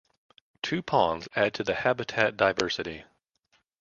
Two ponds add to the habitat diversity.